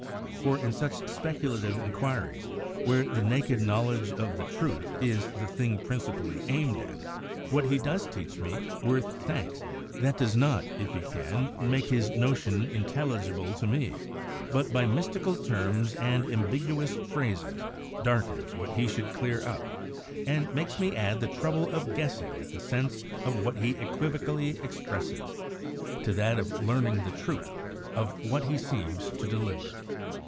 For in such speculative inquiries where the naked knowl edge of the truth is the thing principally aimed at, what does he teach me worth thanks, that does not, if he can, make his notion intelligible to me, but by mystical terms and ambiguous phrases darkens what he should clear Up, and makes me add the trouble of guessing at the THE EARLY PHLOGISTIC PERIOD 93 sense of what he equivocally expresses, to that of learn ing the truth of what he seems to deliver."